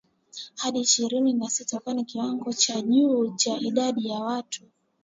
hadi ishirini na sita kwani kiwango cha juu cha idadi ya watu